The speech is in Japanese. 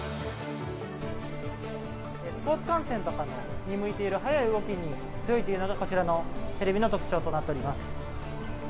スポーツ観戦とかに向いている速い動きに強いというのがこちらのテレビの特徴となっております。